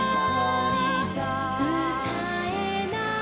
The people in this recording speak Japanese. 「」「うたえない」「」